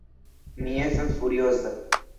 Mi estas furioza!